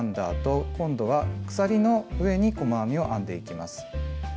あと今度は鎖の上に細編みを編んでいきます。